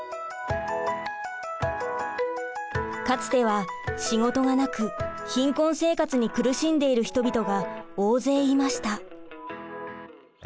かつては仕事がなく貧困生活に苦しんでいる人々が大勢いました。